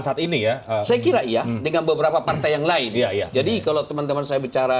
saat ini ya saya kira iya dengan beberapa partai yang lain jadi kalau teman teman saya bicara